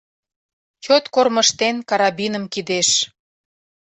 Чот кормыжтен карабиным кидеш